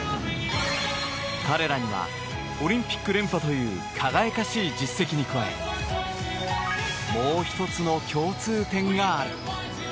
彼らにはオリンピック連覇という輝かしい実績に加えもう１つの共通点がある。